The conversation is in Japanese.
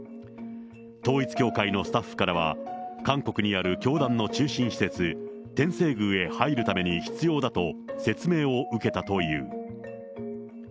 統一教会のスタッフからは、韓国にある教団の中心施設、天正宮へ入るために必要だと、説明を受けたという。